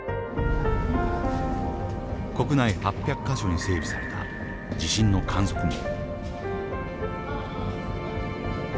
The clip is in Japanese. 国内８００か所に整備された地震の観測網。